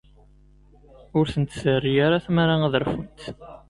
Ur tent-terri ara tmara ad rfunt.